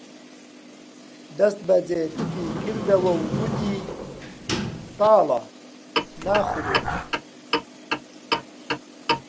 دەسبەجێ تفی کردەوە و گوتی: تاڵە، ناخورێ